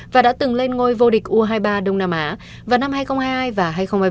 và đã từng lên ngôi vô địch u hai mươi ba đông nam á vào năm hai nghìn hai mươi hai và hai nghìn hai mươi ba